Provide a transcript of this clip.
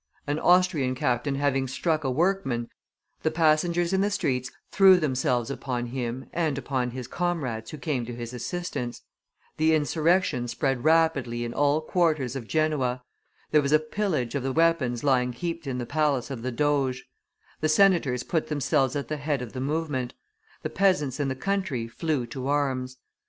An Austrian captain having struck a workman, the passengers in the streets threw themselves upon him and upon his comrades who came to his assistance; the insurrection spread rapidly in all quarters of Genoa; there was a pillage of the weapons lying heaped in the palace of the Doges; the senators put themselves at the head of the movement; the peasants in the country flew to arms.